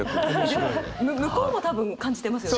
向こうも多分感じてますよね？